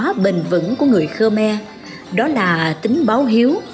tính cách văn hóa tình vững của người khmer đó là tính báo hiếu